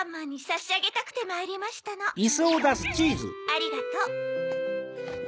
ありがとう。